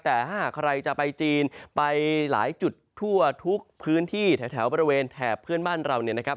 แต่ถ้าหากใครจะไปจีนไปหลายจุดทั่วทุกพื้นที่แถวบริเวณแถบเพื่อนบ้านเราเนี่ยนะครับ